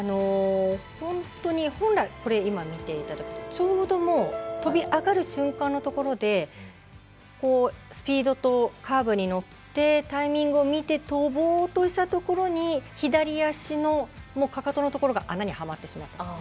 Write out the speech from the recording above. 本当に本来これ、今見ていただくとちょうど跳び上がる瞬間のところでスピードとカーブに乗ってタイミングを見て跳ぼうとしたところに左足のかかとのところが穴にはまってしまった。